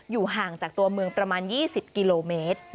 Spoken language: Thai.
ห่างจากตัวเมืองประมาณ๒๐กิโลเมตร